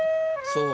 そう。